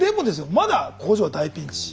まだ工場は大ピンチ。